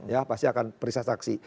ya pasti akan periksa saksi